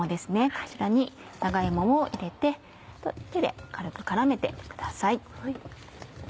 こちらに長芋を入れて手で軽く絡めてください。